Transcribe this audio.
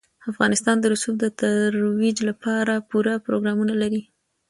افغانستان د رسوب د ترویج لپاره پوره پروګرامونه لري.